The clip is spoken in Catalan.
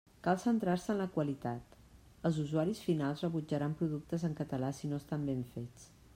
Cal centrar-se en la qualitat: els usuaris finals rebutjaran productes en català si no estan ben fets.